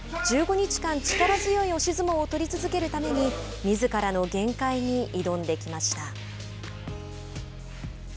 １５日間、力強い押し相撲を取り続けるためにみずからの限界に挑んできました。